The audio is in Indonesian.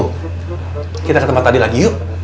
kita ke tempat tadi lagi yuk